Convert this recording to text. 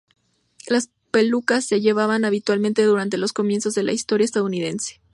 Las pelucas se llevaban habitualmente durante los comienzos de la historia estadounidense.